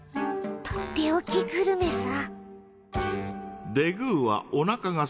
とっておきグルメさ。